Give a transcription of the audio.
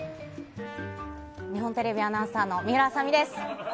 日本テレビアナウンサーの水卜麻美です。